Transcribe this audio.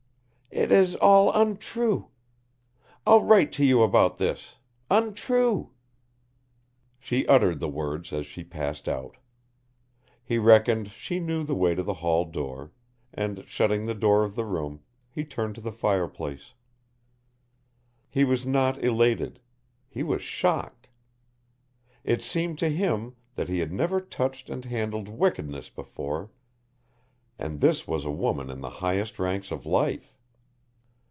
"It is all untrue. I'll write to you about this untrue." She uttered the words as she passed out. He reckoned she knew the way to the hall door, and, shutting the door of the room, he turned to the fire place. He was not elated. He was shocked. It seemed to him that he had never touched and handled wickedness before, and this was a woman in the highest ranks of life!